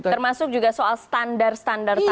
termasuk juga soal standar standar tadi